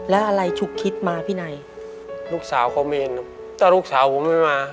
แล้วอะไรฉุกคิดพี่ไนลูกสาวเขามีถ้าลูกสาวผมไม่มา